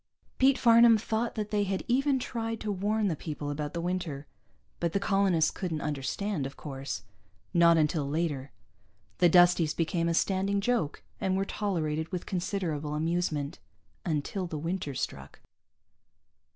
Pete Farnam thought that they had even tried to warn the people about the winter. But the colonists couldn't understand, of course. Not until later. The Dusties became a standing joke, and were tolerated with considerable amusement until the winter struck.